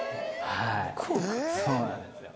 はいそうなんですよ